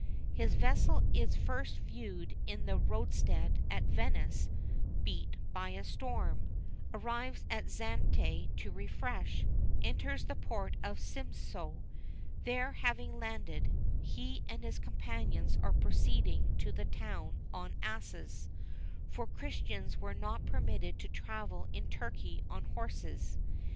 His vessel is first viewed in the roadstead at Venice beat by a storm; arrives at Zante to refresh; enters the port of Simiso; there having landed, he and his companions are proceeding to the town on asses, for Christians were not permitted to travel in Turkey on horses.